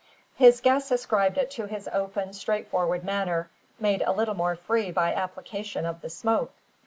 His guests ascribed it to his open, straightforward manner, made a little more free by application of the "smoke."